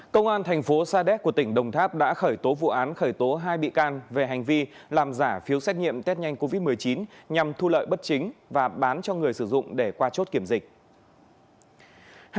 công an thành phố sa đéc của tỉnh đồng tháp đã khởi tố vụ án khởi tố hai bị can về hành vi làm giả phiếu xét nghiệm test nhanh covid một mươi chín nhằm thu lợi bất chính và bán cho người sử dụng để qua chốt kiểm dịch